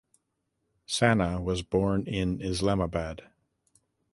Sana was born in Islamabad.